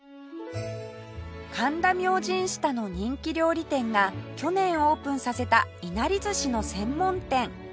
神田明神下の人気料理店が去年オープンさせたいなり寿司の専門店